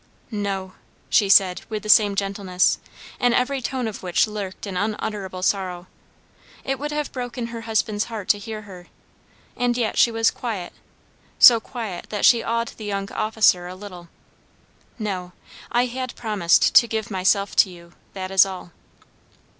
"No" she said with the same gentleness, in every tone of which lurked an unutterable sorrow; it would have broken her husband's heart to hear her; and yet she was quiet, so quiet that she awed the young officer a little. "No I had promised to give myself to you; that is all."